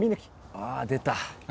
あぁ出た。